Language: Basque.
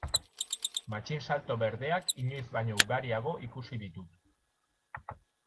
Matxinsalto berdeak inoiz baino ugariago ikusi ditut.